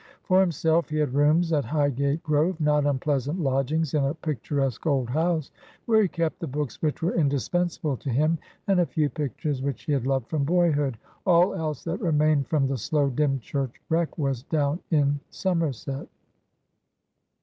For himself, he had rooms at Highgate Grove, not unpleasant lodgings in a picturesque old house, where he kept the books which were indispensable to him, and a few pictures which he had loved from boyhood. All else that remained from the slow Dymchurch wreck was down in Somerset.